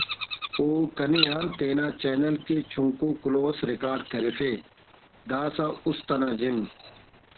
او کنے آن تینا چینل کن چنکو کلہو اس ریکارڈ کرفے داسہ اُست نا جم